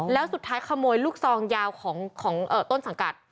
แล้วสุดท้ายขโมยลูกซองยาวของต้นสังกัด